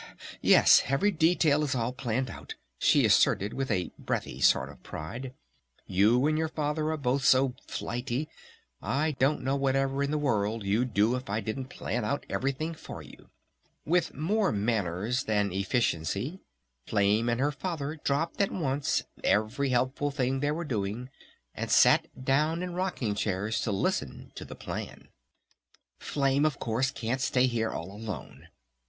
"Yes! Every detail is all planned out!" she asserted with a breathy sort of pride. "You and your Father are both so flighty I don't know whatever in the world you'd do if I didn't plan out everything for you!" With more manners than efficiency Flame and her Father dropped at once every helpful thing they were doing and sat down in rocking chairs to listen to the plan. "Flame, of course, can't stay here all alone.